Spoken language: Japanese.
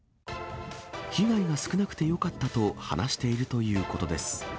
被害が少なくてよかったと、話しているということです。